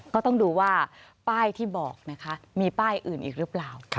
ก็ต้องดูว่าป้ายที่บอกนะคะมีป้ายอื่นอีกหรือเปล่า